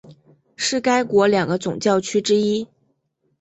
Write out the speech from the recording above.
是该国两个总教区之一。